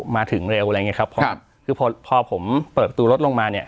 มาถึงเร็วอะไรอย่างเงี้ครับพอคือพอพอผมเปิดประตูรถลงมาเนี่ย